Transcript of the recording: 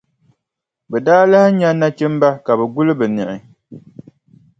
Bɛ daa lahi nya nachimba ka bɛ guli bɛ niɣi.